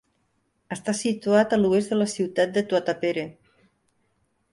Està situat a l'oest de la ciutat de Tuatapere.